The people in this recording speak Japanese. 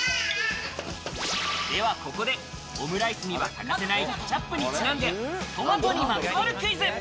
では、ここでオムライスには欠かせないケチャップにちなんで、トマトにまつわるクイズ。